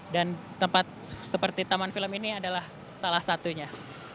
dan tempat seperti taman film ini adalah salah satunya